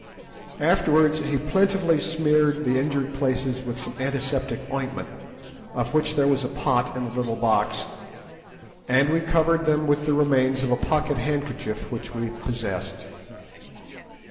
Afterwards he plentifully smeared the injured places with some antiseptic ointment, of which there was a pot in the little box, and we covered them with the remains of a pocket handkerchief which we possessed.